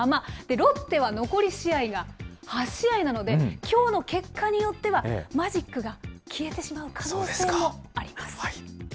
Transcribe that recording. ロッテは残り試合が８試合なので、きょうの結果によっては、マジックが消えてしまう可能性もあります。